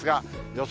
予想